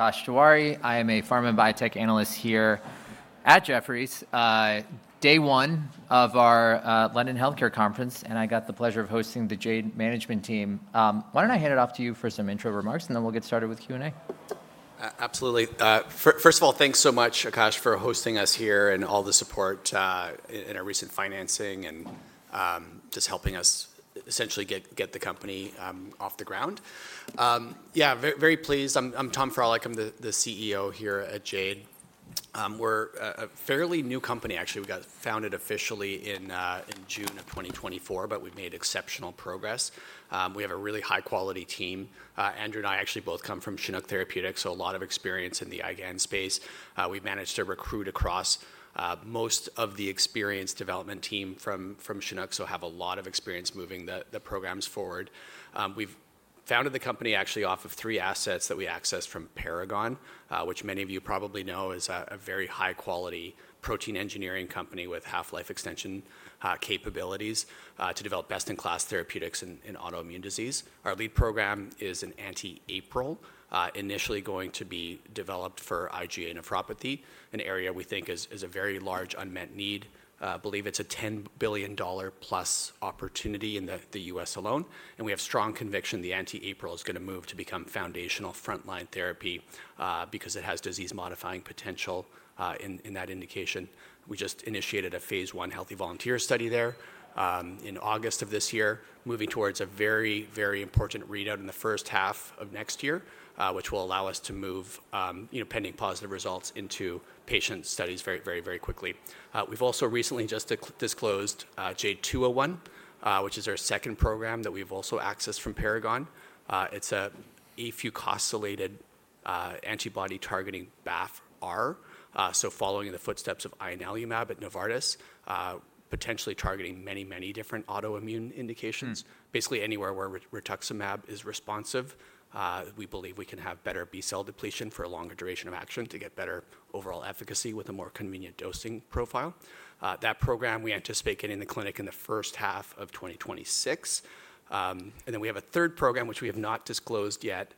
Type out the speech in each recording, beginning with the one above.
Akash Tewari. I am a Farm and Biotech Analyst here at Jefferies. Day one of our London Healthcare Conference, and I got the pleasure of hosting the Jade Management Team. Why don't I hand it off to you for some intro remarks, and then we'll get started with Q&A? Absolutely. First of all, thanks so much, Akash, for hosting us here and all the support in our recent financing and just helping us essentially get the company off the ground. Yeah, very pleased. I'm Tom Frohlich. I'm the CEO here at Jade. We're a fairly new company, actually. We got founded officially in June of 2024, but we've made exceptional progress. We have a really high-quality team. Andrew and I actually both come from Chinook Therapeutics, so a lot of experience in the IgAN space. We've managed to recruit across most of the experienced development team from Chinook, so have a lot of experience moving the programs forward. We've founded the company actually off of three assets that we accessed from Paragon, which many of you probably know is a very high-quality protein engineering company with half-life extension capabilities to develop best-in-class therapeutics in autoimmune disease. Our lead program is an anti-APRIL, initially going to be developed for IgA nephropathy, an area we think is a very large unmet need. I believe it's a $10 billion+ opportunity in the U.S. alone. We have strong conviction the anti-APRIL is going to move to become foundational frontline therapy because it has disease-modifying potential in that indication. We just initiated a Phase 1 healthy volunteer study there in August of this year, moving towards a very, very important readout in the first half of next year, which will allow us to move, pending positive results, into patient studies very, very, very quickly. We've also recently just disclosed JADE201, which is our second program that we've also accessed from Paragon. It's a eufucosylated antibody targeting BAFF-R, so following in the footsteps of ianalumab at Novartis, potentially targeting many, many different autoimmune indications. Basically, anywhere where rituximab is responsive, we believe we can have better B-cell depletion for a longer duration of action to get better overall efficacy with a more convenient dosing profile. That program, we anticipate getting in the clinic in the first half of 2026. We have a third program, which we have not disclosed yet,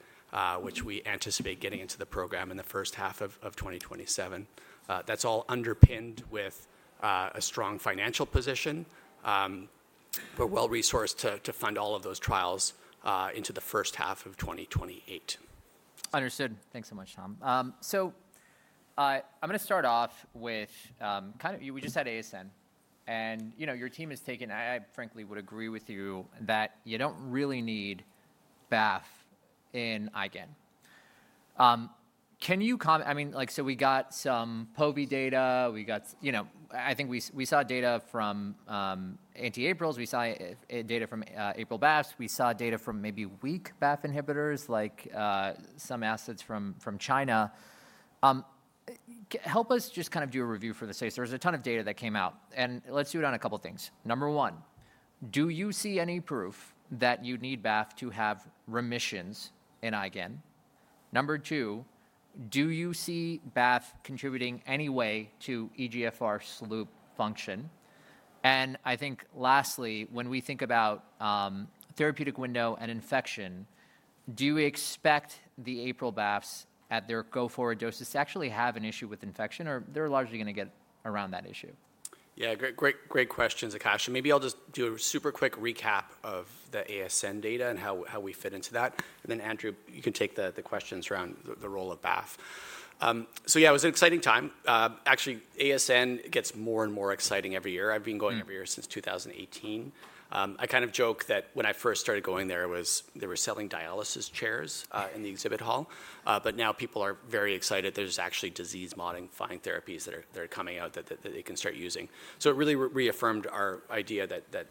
which we anticipate getting into the program in the first half of 2027. That is all underpinned with a strong financial position. We're well-resourced to fund all of those trials into the first half of 2028. Understood. Thanks so much, Tom. I'm going to start off with kind of we just had ASN, and your team has taken—I frankly would agree with you—that you don't really need BAFF in IgAN. Can you comment? I mean, we got some POVI data. I think we saw data from anti-APRILs. We saw data from APRIL BAFF. We saw data from maybe weak BAFF inhibitors, like some assets from China. Help us just kind of do a review for the sake of it. There was a ton of data that came out, and let's do it on a couple of things. Number one, do you see any proof that you need BAFF to have remissions in IgAN? Number two, do you see BAFF contributing any way to eGFR slope function? I think lastly, when we think about therapeutic window and infection, do we expect the APRIL BAFFs at their go-forward doses to actually have an issue with infection, or they're largely going to get around that issue? Yeah, great questions, Akash. Maybe I'll just do a super quick recap of the ASN data and how we fit into that. Then Andrew, you can take the questions around the role of BAFF. Yeah, it was an exciting time. Actually, ASN gets more and more exciting every year. I've been going every year since 2018. I kind of joke that when I first started going there, they were selling dialysis chairs in the exhibit hall, but now people are very excited. There's actually disease-modifying therapies that are coming out that they can start using. It really reaffirmed our idea that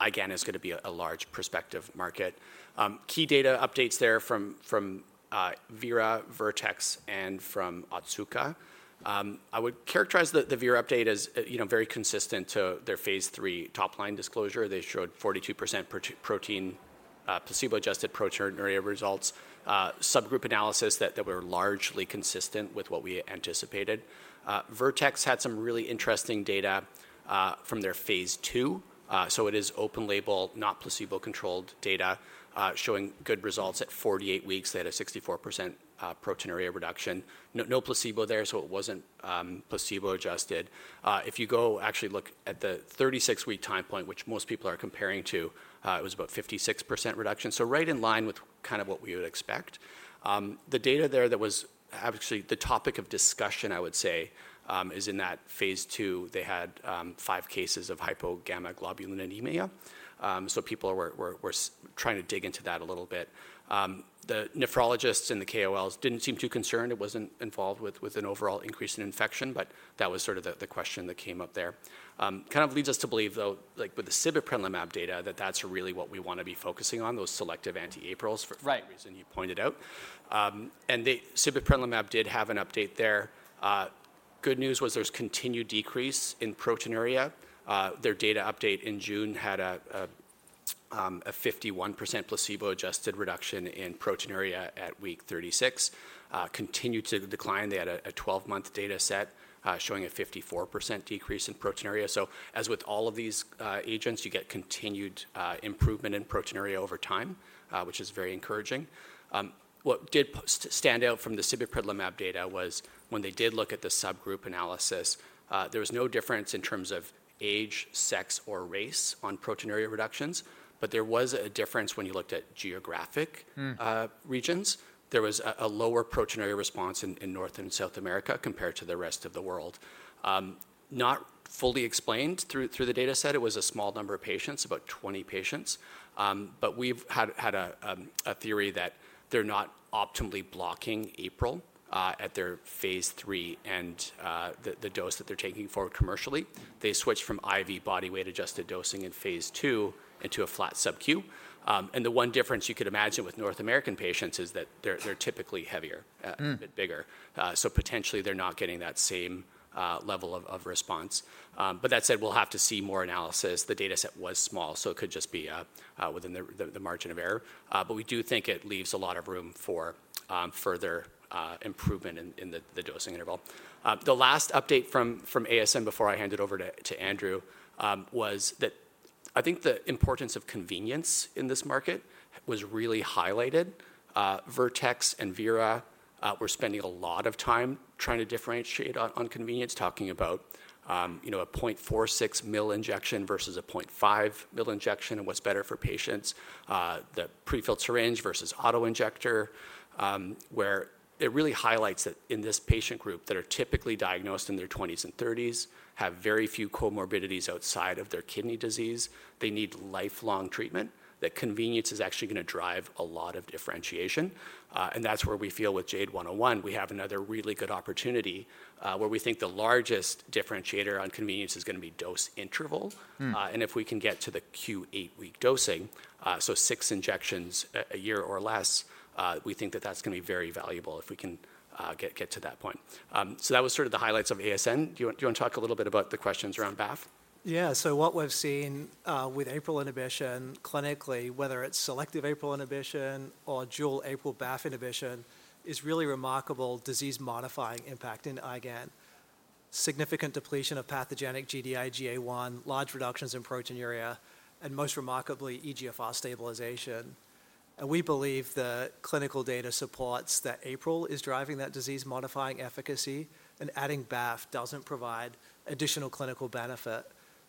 IgAN is going to be a large prospective market. Key data updates there from Vera, Vertex, and from Otsuka. I would characterize the Vera update as very consistent to their Phase 3 top-line disclosure. They showed 42% placebo-adjusted proteinuria results. Subgroup analysis that were largely consistent with what we anticipated. Vertex had some really interesting data from their Phase 2. It is Open-Label, not placebo-controlled data, showing good results at 48 weeks. They had a 64% proteinuria reduction. No placebo there, so it wasn't placebo-adjusted. If you go actually look at the 36-week time point, which most people are comparing to, it was about 56% reduction. Right in line with kind of what we would expect. The data there that was actually the topic of discussion, I would say, is in that Phase 2. They had five cases of hypogammaglobulinemia. People were trying to dig into that a little bit. The nephrologists and the KOLs didn't seem too concerned. It wasn't involved with an overall increase in infection, but that was sort of the question that came up there. Kind of leads us to believe, though, with the sibeprenlimab data, that that's really what we want to be focusing on, those selective anti-APRILs for the reason you pointed out. And the sibeprenlimab did have an update there. Good news was there's continued decrease in proteinuria. Their data update in June had a 51% placebo-adjusted reduction in proteinuria at week 36. Continued to decline. They had a 12-month data set showing a 54% decrease in proteinuria. As with all of these agents, you get continued improvement in proteinuria over time, which is very encouraging. What did stand out from the sibeprenlimab data was when they did look at the subgroup analysis, there was no difference in terms of age, sex, or race on proteinuria reductions, but there was a difference when you looked at geographic regions. There was a lower proteinuria response in North and South America compared to the rest of the world. Not fully explained through the data set. It was a small number of patients, about 20 patients. We've had a theory that they're not optimally blocking APRIL at their Phase 3 and the dose that they're taking for commercially. They switched from IV body weight-adjusted dosing in Phase 2 into a flat subQ. The one difference you could imagine with North American patients is that they're typically heavier, a bit bigger. Potentially they're not getting that same level of response. That said, we'll have to see more analysis. The data set was small, so it could just be within the margin of error. We do think it leaves a lot of room for further improvement in the dosing interval. The last update from ASN before I hand it over to Andrew was that I think the importance of convenience in this market was really highlighted. Vertex and Vera were spending a lot of time trying to differentiate on convenience, talking about a 0.46 ml injection versus a 0.5 ml injection and what's better for patients, the prefilled syringe versus auto injector, where it really highlights that in this patient group that are typically diagnosed in their 20s and 30s, have very few comorbidities outside of their kidney disease. They need lifelong treatment. That convenience is actually going to drive a lot of differentiation. That is where we feel with JADE101, we have another really good opportunity where we think the largest differentiator on convenience is going to be dose interval. If we can get to the Q8 week dosing, so six injections a year or less, we think that that's going to be very valuable if we can get to that point. That was sort of the highlights of ASN. Do you want to talk a little bit about the questions around BAFF? Yeah. What we've seen with APRIL inhibition clinically, whether it's selective APRIL inhibition or dual APRIL BAFF inhibition, is really remarkable disease-modifying impact in IgAN. Significant depletion of pathogenic Gd-IgA1, large reductions in proteinuria, and most remarkably, eGFR stabilization. We believe the clinical data supports that APRIL is driving that disease-modifying efficacy, and adding BAFF does not provide additional clinical benefit.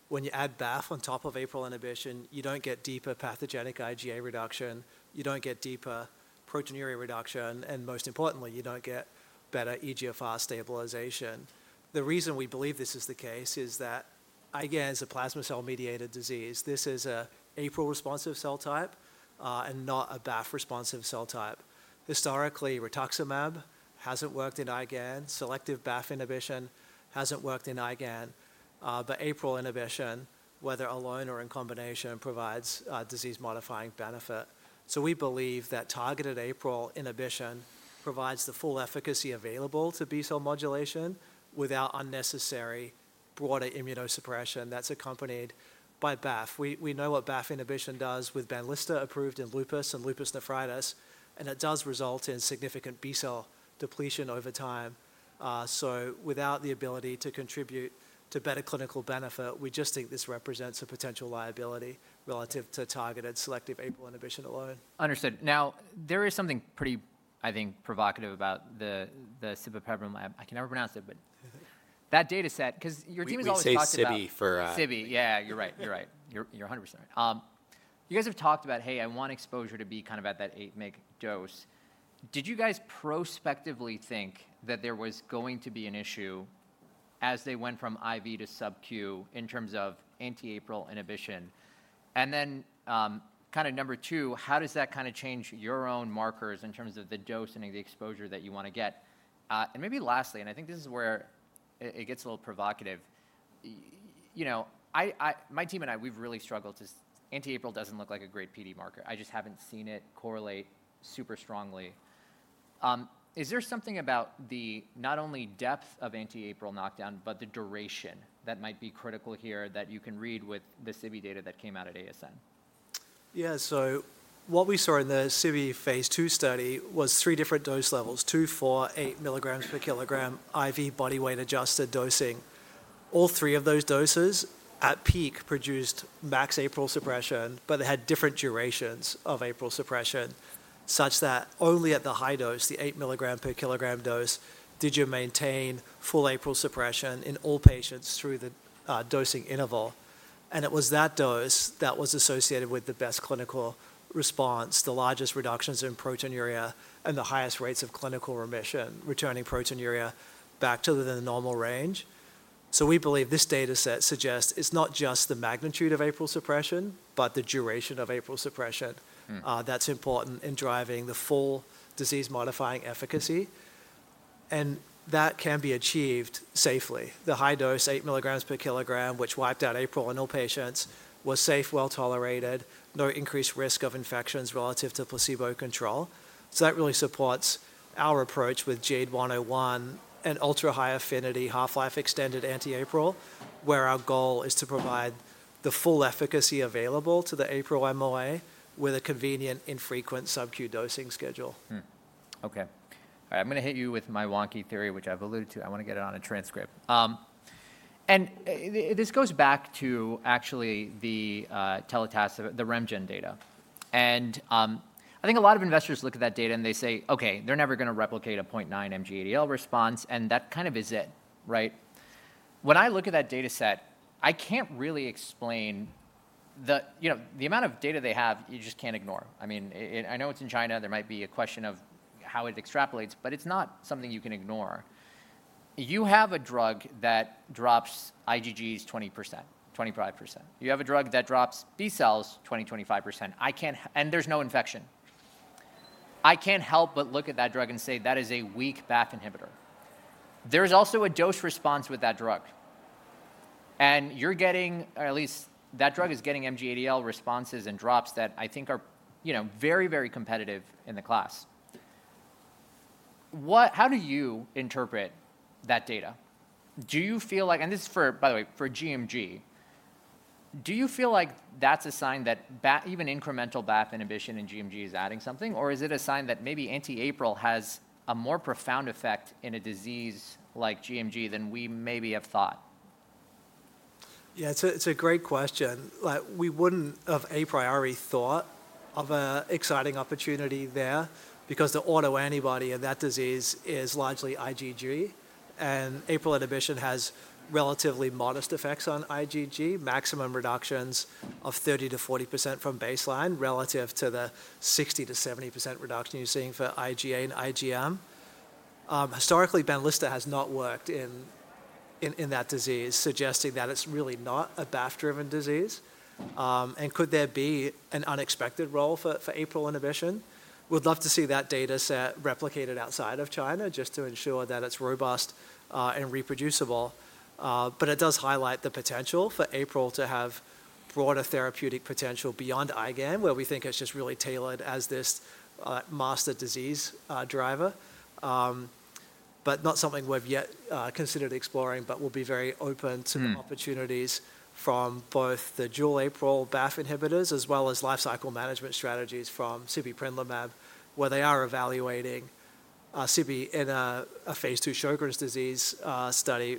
When you add BAFF on top of APRIL inhibition, you do not get deeper pathogenic IgA reduction. You do not get deeper proteinuria reduction. Most importantly, you do not get better eGFR stabilization. The reason we believe this is the case is that IgAN is a plasma cell-mediated disease. This is an APRIL responsive cell type and not a BAFF responsive cell type. Historically, rituximab has not worked in IgAN. Selective BAFF inhibition has not worked in IgAN. APRIL inhibition, whether alone or in combination, provides disease-modifying benefit. We believe that targeted APRIL inhibition provides the full efficacy available to B-cell modulation without unnecessary broader immunosuppression that's accompanied by BAFF. We know what BAFF inhibition does with Benlysta approved in lupus and lupus nephritis, and it does result in significant B-cell depletion over time. Without the ability to contribute to better clinical benefit, we just think this represents a potential liability relative to targeted selective APRIL inhibition alone. Understood. Now, there is something pretty, I think, provocative about the sibeprenlimab. I can never pronounce it, but that data set, because your team has always talked about. Sibe, yeah, you're right. You're 100% right. You guys have talked about, hey, I want exposure to be kind of at that eight-meg dose. Did you guys prospectively think that there was going to be an issue as they went from IV to subQ in terms of anti-APRIL inhibition? Number two, how does that kind of change your own markers in terms of the dose and the exposure that you want to get? Maybe lastly, and I think this is where it gets a little provocative. My team and I, we've really struggled to. Anti-APRIL doesn't look like a great PD marker. I just haven't seen it correlate super strongly. Is there something about the not only depth of anti-APRIL knockdown, but the duration that might be critical here that you can read with the sibe data that came out at ASN? Yeah, so what we saw in the sibe Phase 2 study was three different dose levels, 2, 4, 8 mg per kg, IV body weight-adjusted dosing. All three of those doses at peak produced max APRIL suppression, but they had different durations of APRIL suppression such that only at the high dose, the 8 mg per kg dose, did you maintain full APRIL suppression in all patients through the dosing interval. It was that dose that was associated with the best clinical response, the largest reductions in proteinuria, and the highest rates of clinical remission, returning proteinuria back to the normal range. We believe this data set suggests it's not just the magnitude of APRIL suppression, but the duration of APRIL suppression that's important in driving the full disease-modifying efficacy. That can be achieved safely. The high dose, 8 mg per kg, which wiped out APRIL in all patients, was safe, well tolerated, no increased risk of infections relative to placebo control. That really supports our approach with JADE101 and ultra-high affinity half-life extended anti-APRIL, where our goal is to provide the full efficacy available to the APRIL MOA with a convenient, infrequent subQ dosing schedule. Okay. All right. I'm going to hit you with my wonky theory, which I've alluded to. I want to get it on a transcript. This goes back to actually the telitacicept, the RemeGen data. I think a lot of investors look at that data and they say, okay, they're never going to replicate a 0.9 mg ADL response, and that kind of is it, right? When I look at that data set, I can't really explain the amount of data they have, you just can't ignore. I mean, I know it's in China. There might be a question of how it extrapolates, but it's not something you can ignore. You have a drug that drops IgGs 20%-25%. You have a drug that drops B-cells 20%-25%. There's no infection. I can't help but look at that drug and say that is a weak BAFF inhibitor. There is also a dose response with that drug. And you're getting, or at least that drug is getting mg ADL responses and drops that I think are very, very competitive in the class. How do you interpret that data? Do you feel like, and this is for, by the way, for gMG, do you feel like that's a sign that even incremental BAFF inhibition in gMG is adding something, or is it a sign that maybe anti-APRIL has a more profound effect in a disease like gMG than we maybe have thought? Yeah, it's a great question. We wouldn't have a priori thought of an exciting opportunity there because the autoantibody in that disease is largely IgG. And APRIL inhibition has relatively modest effects on IgG, maximum reductions of 30%-40% from baseline relative to the 60%-70% reduction you're seeing for IgA and IgM. Historically, Benlysta has not worked in that disease, suggesting that it's really not a BAFF-driven disease. And could there be an unexpected role for APRIL inhibition? We'd love to see that data set replicated outside of China just to ensure that it's robust and reproducible. It does highlight the potential for APRIL to have broader therapeutic potential beyond IgAN, where we think it's just really tailored as this master disease driver, but not something we've yet considered exploring. We'll be very open to the opportunities from both the dual APRIL BAFF inhibitors as well as lifecycle management strategies from sibeprenlimab, where they are evaluating sibe in a Phase 2 Sjögren’s disease study,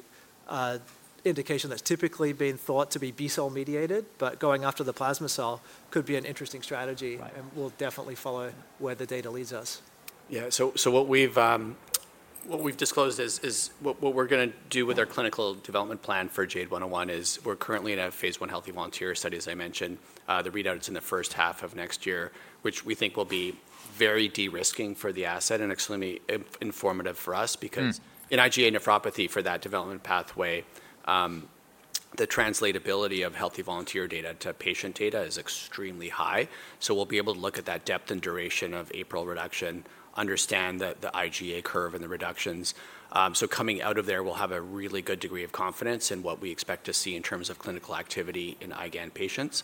an indication that's typically been thought to be B-cell mediated, but going after the plasma cell could be an interesting strategy. We'll definitely follow where the data leads us. Yeah. So what we've disclosed is what we're going to do with our clinical development plan for JADE101 is we're currently in a Phase 1 healthy volunteer study, as I mentioned. The readout is in the first half of next year, which we think will be very de-risking for the asset and extremely informative for us because in IgA nephropathy for that development pathway, the translatability of healthy volunteer data to patient data is extremely high. We'll be able to look at that depth and duration of APRIL reduction, understand the IgA curve and the reductions. Coming out of there, we'll have a really good degree of confidence in what we expect to see in terms of clinical activity in IgAN patients.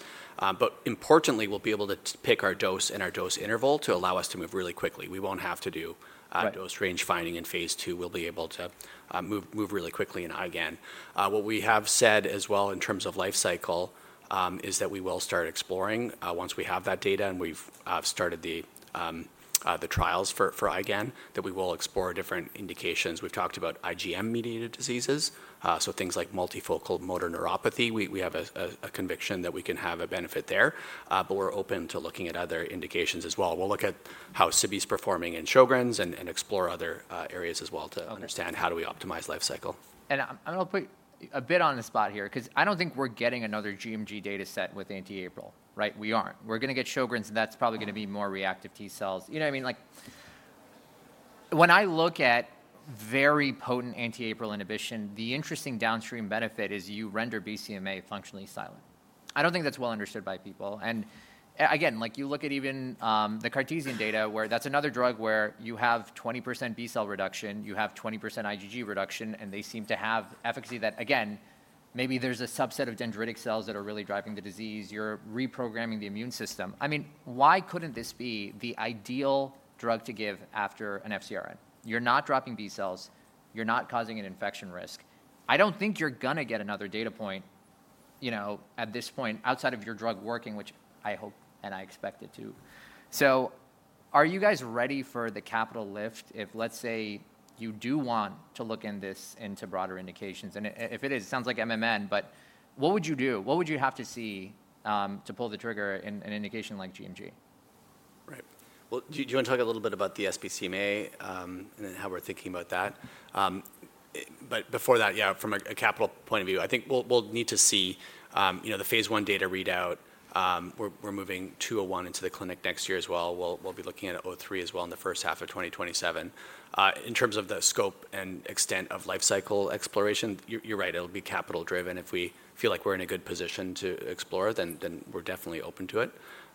Importantly, we'll be able to pick our dose and our dose interval to allow us to move really quickly. We won't have to do dose range finding in Phase 2. We'll be able to move really quickly in IgAN. What we have said as well in terms of lifecycle is that we will start exploring once we have that data and we've started the trials for IgAN, that we will explore different indications. We've talked about IgM-mediated diseases, so things like multifocal motor neuropathy. We have a conviction that we can have a benefit there, but we're open to looking at other indications as well. We'll look at how sibe is performing in Sjögren’s and explore other areas as well to understand how do we optimize lifecycle. I'm going to put you a bit on the spot here because I don't think we're getting another gMG data set with anti-APRIL, right? We aren't. We're going to get Sjögren’s and that's probably going to be more reactive T-cells. You know what I mean? When I look at very potent anti-APRIL inhibition, the interesting downstream benefit is you render BCMA functionally silent. I don't think that's well understood by people. Again, you look at even the Cartesian data where that's another drug where you have 20% B-cell reduction, you have 20% IgG reduction, and they seem to have efficacy that, again, maybe there's a subset of dendritic cells that are really driving the disease. You're reprogramming the immune system. I mean, why couldn't this be the ideal drug to give after an FcRn? You're not dropping B-cells. You're not causing an infection risk. I don't think you're going to get another data point at this point outside of your drug working, which I hope and I expect it to. Are you guys ready for the capital lift if, let's say, you do want to look into broader indications? If it is, it sounds like MMN, but what would you do? What would you have to see to pull the trigger in an indication like gMG? Right. Do you want to talk a little bit about the sBCMA and then how we're thinking about that? Before that, yeah, from a capital point of view, I think we'll need to see the Phase 1 data readout. We're moving 201 into the clinic next year as well. We'll be looking at 03 as well in the first half of 2027. In terms of the scope and extent of lifecycle exploration, you're right, it'll be capital-driven. If we feel like we're in a good position to explore, then we're definitely open to it.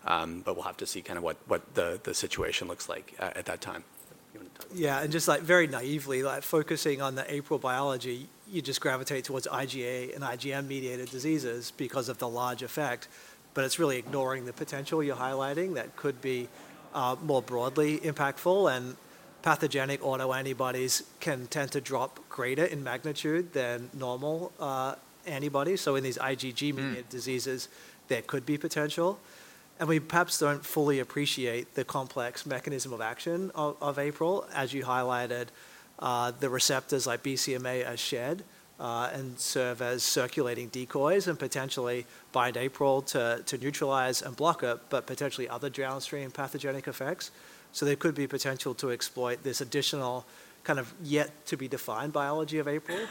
We'll have to see kind of what the situation looks like at that time. Yeah. Just like very naively, focusing on the APRIL biology, you just gravitate towards IgA and IgM-mediated diseases because of the large effect. It is really ignoring the potential you're highlighting that could be more broadly impactful. Pathogenic autoantibodies can tend to drop greater in magnitude than normal antibodies. In these IgG-mediated diseases, there could be potential. We perhaps do not fully appreciate the complex mechanism of action of APRIL, as you highlighted, the receptors like BCMA as shed and serve as circulating decoys and potentially bind APRIL to neutralize and block up, but potentially other downstream pathogenic effects. There could be potential to exploit this additional kind of yet-to-be-defined biology of APRIL.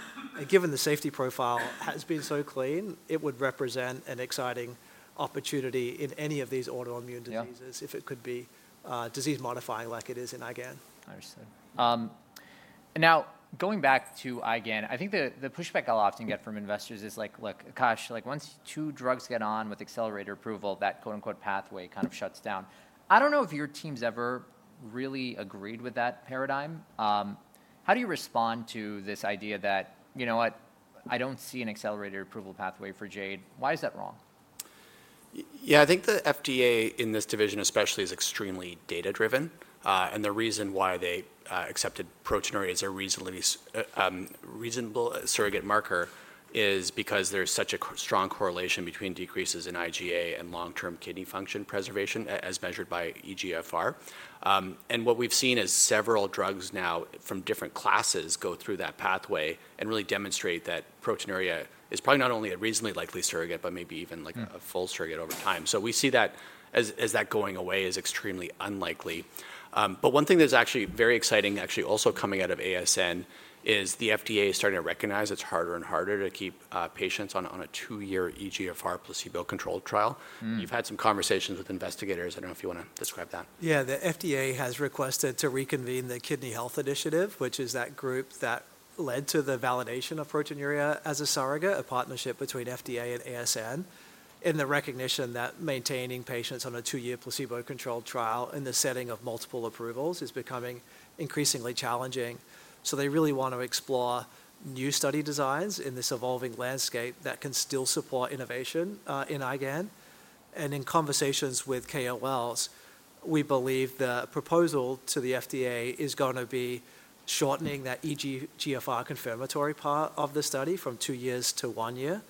Given the safety profile has been so clean, it would represent an exciting opportunity in any of these autoimmune diseases if it could be disease-modifying like it is in IgAN. Understood. Now, going back to IgAN, I think the pushback I'll often get from investors is like, look, gosh, like once two drugs get on with accelerator approval, that quote-unquote pathway kind of shuts down. I don't know if your team's ever really agreed with that paradigm. How do you respond to this idea that, you know what, I don't see an accelerator approval pathway for Jade? Why is that wrong? Yeah, I think the FDA in this division especially is extremely data-driven. The reason why they accepted proteinuria as a reasonable surrogate marker is because there's such a strong correlation between decreases in IgA and long-term kidney function preservation as measured by eGFR. What we've seen is several drugs now from different classes go through that pathway and really demonstrate that proteinuria is probably not only a reasonably likely surrogate, but maybe even like a full surrogate over time. We see that as that going away is extremely unlikely. One thing that's actually very exciting actually also coming out of ASN is the FDA is starting to recognize it's harder and harder to keep patients on a two-year eGFR placebo-controlled trial. You've had some conversations with investigators. I don't know if you want to describe that. Yeah, the FDA has requested to reconvene the Kidney Health Initiative, which is that group that led to the validation of proteinuria as a surrogate, a partnership between FDA and ASN, in the recognition that maintaining patients on a two-year placebo-controlled trial in the setting of multiple approvals is becoming increasingly challenging. They really want to explore new study designs in this evolving landscape that can still support innovation in IgAN. In conversations with KOLs, we believe the proposal to the FDA is going to be shortening that eGFR confirmatory part of the study from two years to one year,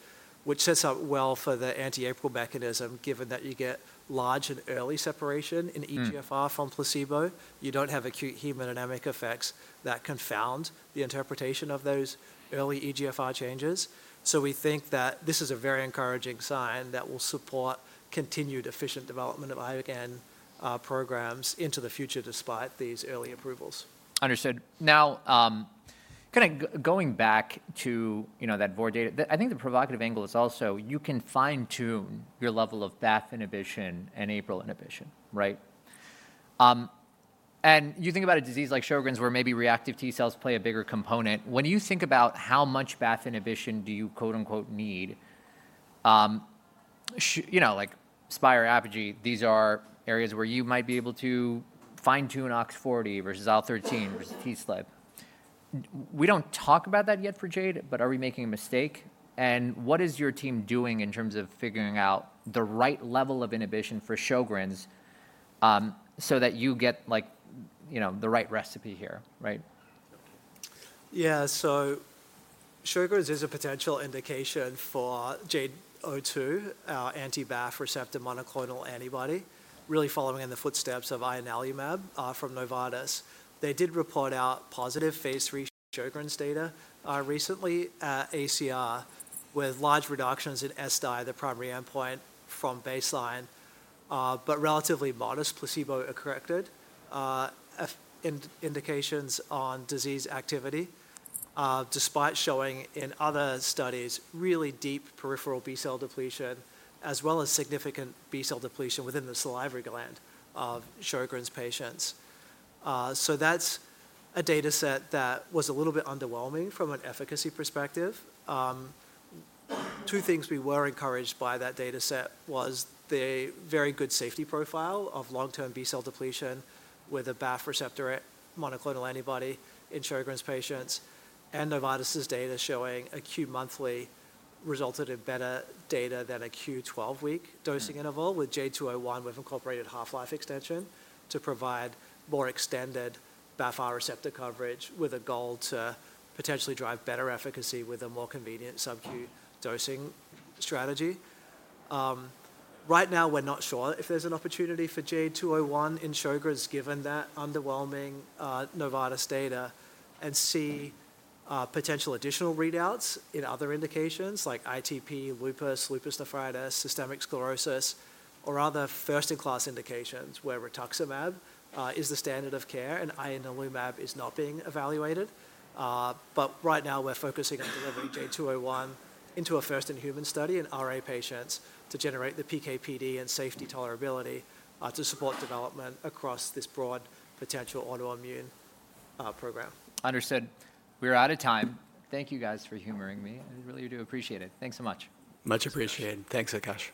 which sets up well for the anti-APRIL mechanism, given that you get large and early separation in eGFR from placebo. You do not have acute hemodynamic effects that confound the interpretation of those early eGFR changes. We think that this is a very encouraging sign that will support continued efficient development of IgAN programs into the future despite these early approvals. Understood. Now, kind of going back to that VOR data, I think the provocative angle is also you can fine-tune your level of BAFF inhibition and APRIL inhibition, right? You think about a disease like Sjögren’s where maybe reactive T-cells play a bigger component. When you think about how much BAFF inhibition do you quote-unquote need, like Spire, Apogee, these are areas where you might be able to fine-tune OX40 versus OX13 versus TSLP. We do not talk about that yet for Jade, but are we making a mistake? What is your team doing in terms of figuring out the right level of inhibition for Sjögren’s so that you get the right recipe here, right? Yeah. Sjögren’s is a potential indication for JADE201, our anti-BAFF receptor monoclonal antibody, really following in the footsteps of ianalumab from Novartis. They did report out positive Phase 3 Sjögren’s data recently at ACR with large reductions in SDI, the primary endpoint from baseline, but relatively modest placebo-corrected indications on disease activity, despite showing in other studies really deep peripheral B-cell depletion, as well as significant B-cell depletion within the salivary gland of Sjögren’s patients. That's a data set that was a little bit underwhelming from an efficacy perspective. Two things we were encouraged by in that data set was the very good safety profile of long-term B-cell depletion with a BAFF receptor monoclonal antibody in Sjögren’s patients. Novartis's data showing acute monthly resulted in better data than a Q12 week dosing interval with JADE201 with incorporated half-life extension to provide more extended BAFF receptor coverage with a goal to potentially drive better efficacy with a more convenient subQ dosing strategy. Right now, we're not sure if there's an opportunity for JADE201 in Sjögren’s given that underwhelming Novartis data and see potential additional readouts in other indications like ITP, lupus, lupus nephritis, systemic sclerosis, or other first-in-class indications where rituximab is the standard of care and ianalumab is not being evaluated. Right now, we're focusing on delivering JADE201 into a first-in-human study in RA patients to generate the PKPD and safety tolerability to support development across this broad potential autoimmune program. Understood. We're out of time. Thank you guys for humoring me. I really do appreciate it. Thanks so much. Much appreciated. Thanks, Akash.